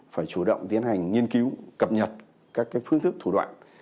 phải chủ động tiến hành nghiên cứu cập nhật các phương thức thủ đoạn